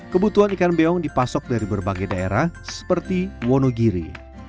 kebutuhan ikan beong dipasok dari berbagai daerah seperti wonogiri